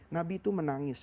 nabi itu menangis